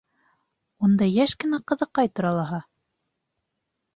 Унда йәш кенә ҡыҙыҡай тора лаһа?